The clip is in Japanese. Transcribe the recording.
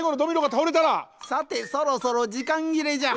さてそろそろじかんぎれじゃ。